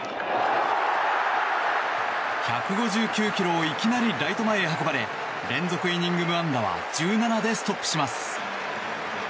１５９ｋｍをいきなりライト前へ運ばれ連続イニング無安打は１７でストップします。